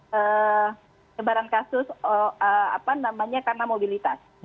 penyebaran kasus apa namanya karena mobilitas